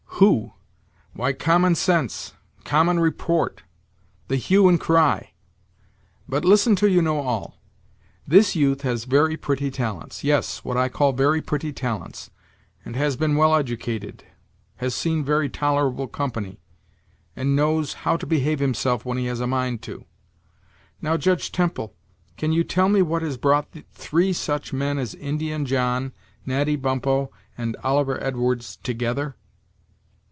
"Who? why, common sense common report the hue and cry. But listen till you know all. This youth has very pretty talents yes, what I call very pretty talents and has been well educated, has seen very tolerable company, and knows how to behave himself when he has a mind to. Now, Judge Temple, can you tell me what has brought three such men as Indian John, Natty Bumppo, and Oliver Edwards together?"